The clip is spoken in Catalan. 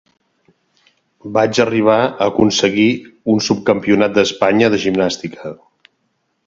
Va arribar a aconseguir un subcampionat d'Espanya de gimnàstica.